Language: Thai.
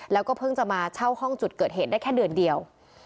แล้วก็เพิ่งจะมาเช่าห้องจุดเกิดเหตุได้แค่เดือนเดียว